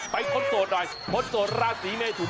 ไปทดโสด่ายทดโสดราศรีเมทุน